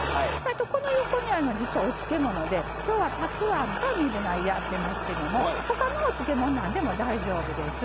この横に実はお漬物できょうはたくあんとみぶ菜やってますけどもほかのお漬物何でも大丈夫です。